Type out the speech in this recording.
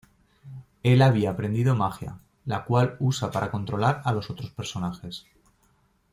Él había aprendido magia, la cual usa para controlar a los otros personajes.